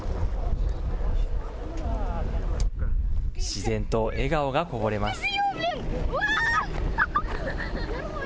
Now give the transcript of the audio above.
自然と笑顔がこぼれます。